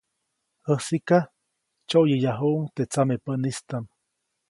Jäsiʼka, tsyoʼyäyajuʼuŋ teʼ tsamepäʼistam.